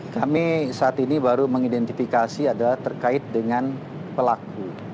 kami saat ini baru mengidentifikasi adalah terkait dengan pelaku